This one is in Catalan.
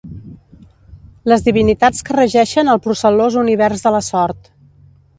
Les divinitats que regeixen el procel·lós univers de la sort.